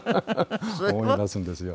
思い出すんですよ。